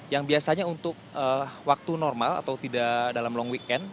yang biasanya untuk waktu normal atau tidak dalam long weekend